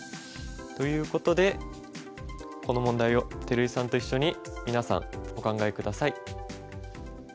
ということでこの問題を照井さんと一緒に皆さんお考え下さい。